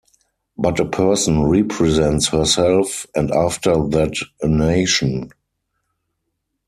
But a person represents herself and after that a nation.